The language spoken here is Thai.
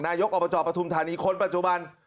นายกอบจปฐุมธานีคนปัจจุบัน